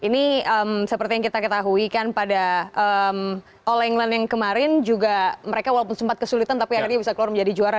ini seperti yang kita ketahui kan pada all england yang kemarin juga mereka walaupun sempat kesulitan tapi akhirnya bisa keluar menjadi juara